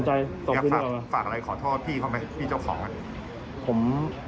อยากฝากอะไรขอโทษพี่เขาไหมพี่เจ้าของผม